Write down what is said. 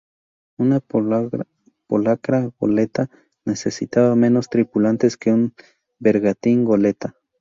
Una polacra-goleta necesitaba menos tripulantes que un bergantín-goleta.